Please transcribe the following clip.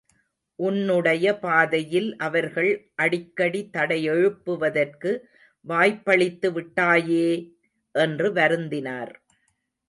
உன்னுடைய பாதையில் அவர்கள் அடிக்கடி தடையெழுப்புவதற்கு வாய்ப்பளித்து விட்டாயே! என்று வருந்தினார்.